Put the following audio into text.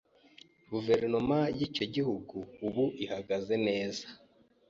Guverinoma yicyo gihugu ubu ihagaze neza.